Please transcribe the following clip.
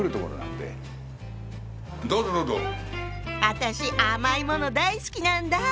私甘いもの大好きなんだ。